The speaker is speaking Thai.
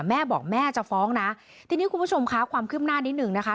แม่บอกแม่จะฟ้องนะทีนี้คุณผู้ชมคะความคืบหน้านิดหนึ่งนะคะ